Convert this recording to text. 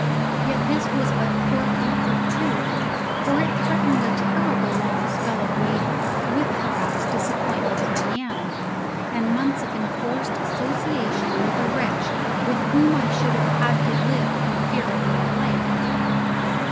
Yet this was but poor comfort too; it threatened a terrible long spell of waiting, with perhaps disappointment in the end, and months of enforced association with a wretch with whom I should have to live in fear of my life.